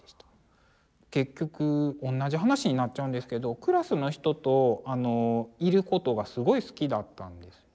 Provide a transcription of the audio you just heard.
結局おんなじ話になっちゃうんですけどクラスの人といることがすごい好きだったんです。